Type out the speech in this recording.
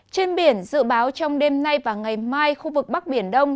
trên biển dự báo trong đêm nay và ngày mai khu vực bắc biển đông